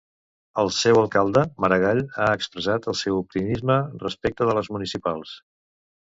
El seu alcalde, Maragall, ha expressat el seu optimisme respecte de les municipals.